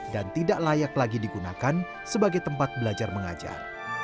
dan tidak layak lagi digunakan sebagai tempat belajar mengajar